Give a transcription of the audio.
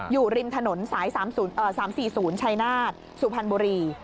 อยู่ริมถนนสาย๓๔๐ชัยนาฏสุพรรณบุรี